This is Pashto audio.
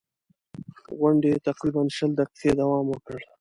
غونډې تقریباً شل دقیقې دوام وکړ.